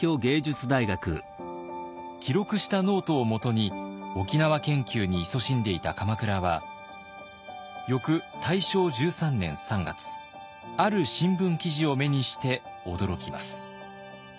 記録したノートをもとに沖縄研究にいそしんでいた鎌倉は翌大正１３年３月ある新聞記事を目にして驚きます。